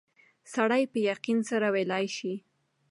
سړی په یقین سره ویلای شي.